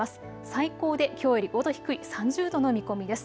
最高できょうより５度低い３０度の見込みです。